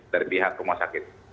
dari pihak rumah sakit